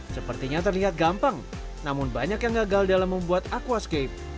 sepertinya terlihat gampang namun banyak yang gagal dalam membuat aquascape